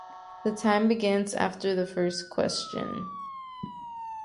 The time begins after the first question.